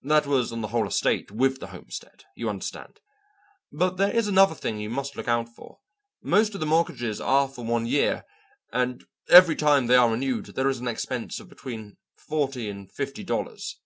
That was on the whole estate with the homestead, you understand? But there is another thing you must look out for. Most of the mortgages are for one year, and every time they are renewed there is an expense of between forty and fifty dollars."